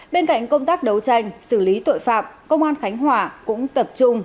bên cạnh công tác đấu tranh xử lý tội phạm công an khánh hòa cũng tập trung